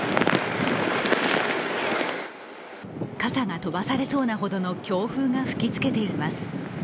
傘が飛ばされそうなほどの強風が吹きつけています。